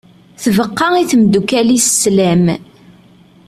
Tbeqqa i temddukal-is slam.